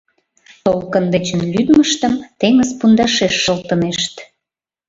Толкын дечын лӱдмыштым теҥыз пундашеш шылтынешт.